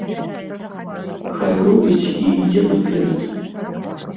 Хай робіць і ідзе наперад.